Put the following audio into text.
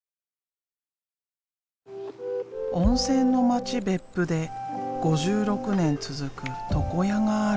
温泉の町別府で５６年続く床屋がある。